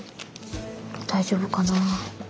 大丈夫かな？